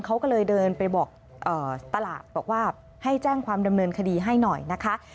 เขาก็เลยเดินไปบอกตลาดบอกว่าให้แจ้งความดำเนินคดีให้หน่อยนะคะ